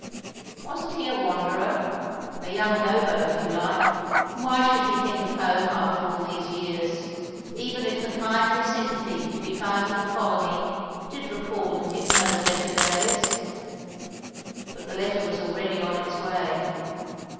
Wasn't he a wanderer a young hobo if you like and why should he think of home after all these years, even if the kindly sympathy to be found at the Colony did recall to him those better days? But the letter was already on its way....